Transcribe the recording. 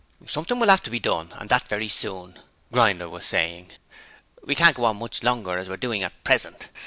'Something will 'ave to be done, and that very soon,' Grinder was saying. 'We can't go on much longer as we're doing at present.